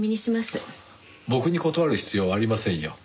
僕に断る必要はありませんよ。